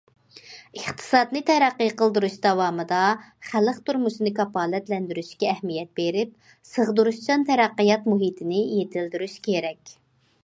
ئىقتىسادنى تەرەققىي قىلدۇرۇش داۋامىدا خەلق تۇرمۇشىنى كاپالەتلەندۈرۈشكە ئەھمىيەت بېرىپ، سىغدۇرۇشچان تەرەققىيات مۇھىتىنى يېتىلدۈرۈش كېرەك.